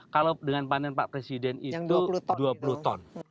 kalau dengan panen pak presiden itu dua puluh ton